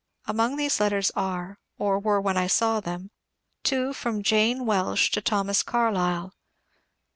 Among these letters are, or were when I saw them, two from " Jane Welsh " to Thomas Carlyle.